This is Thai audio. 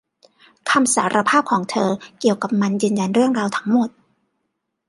คำสารภาพของเธอเกี่ยวกับมันยืนยันเรื่องราวทั้งหมด